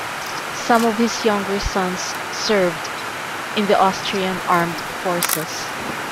Some of his younger sons served in the Austrian armed forces.